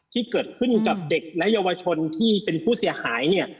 ที่เกิดขึ้นกับเด็กและเยาวชนที่เป็นผู้เสียหายเนี่ย